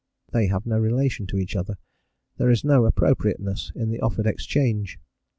they have no relation to each other; there is no appropriateness in the offered exchange.